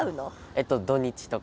えっと土日とか。